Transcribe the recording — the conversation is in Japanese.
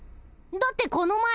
だってこの前。